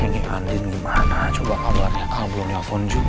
ini andien gimana coba ngabuk ngabuk di albunnya phone juga